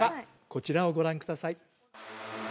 こちらをご覧ください